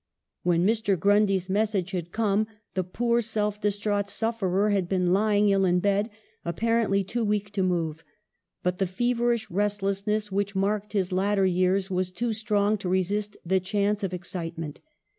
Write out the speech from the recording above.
When Mr. Grundy's message had come, the poor, self distraught sufferer had been lying ill in bed, apparently too weak to move ; but the feverish restlessness which marked his latter years was too strong to resist the chance of ex citement.